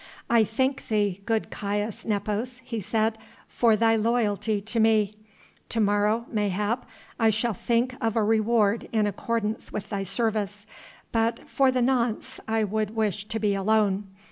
"I thank thee, good Caius Nepos," he said, "for thy loyalty to me. To morrow, mayhap, I shall think of a reward in accordance with thy service, but for the nonce I would wish to be alone.